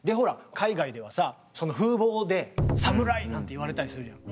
海外ではさその風貌でサムライなんて言われたりするじゃない。